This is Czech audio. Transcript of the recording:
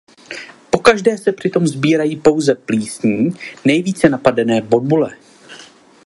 Pokaždé se přitom sbírají pouze plísní nejvíce napadené bobule.